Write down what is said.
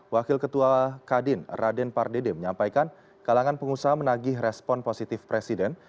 wakil ketua kadin raden pardede menyampaikan kalangan pengusaha menagih respon positif presiden